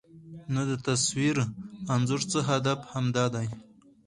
نو د تصوير انځور څخه هدف همدا دى